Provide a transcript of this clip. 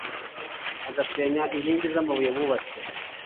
agasenya inkingi zamabuye bubatse